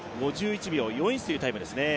５１秒４１というタイムですね。